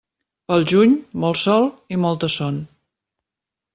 Pel juny, molt sol i molta son.